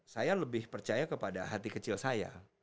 saya lebih percaya kepada hati kecil saya